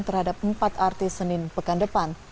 terhadap empat artis senin pekan depan